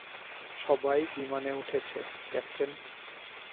সবাই বিমানে উঠেছে, ক্যাপ্টেন।